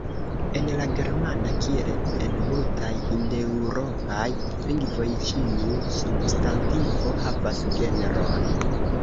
En la germana, kiel en multaj hindeŭropaj lingvoj, ĉiu substantivo havas genron.